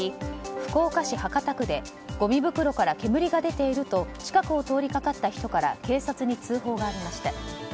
福岡市博多区でごみ袋から煙が出ていると近くを通りかかった人から警察に通報がありました。